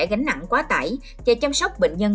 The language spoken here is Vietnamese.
gánh nặng quá tải và chăm sóc bệnh nhân